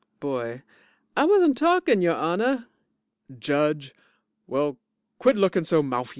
BOY I wasn't talking, your honor. JUDGE Well, quit looking so moufy.